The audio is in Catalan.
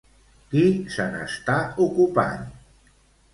Qui se n'està ocupant?